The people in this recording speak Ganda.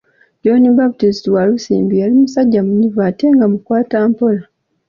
John Baptist Walusimbi yali musajja muyivu ate nga mukwatampola.